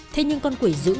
thế nhưng con quỷ giữ